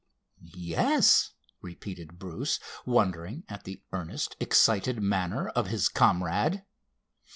"Yes," repeated Bruce, wondering at the earnest, excited manner of his comrade.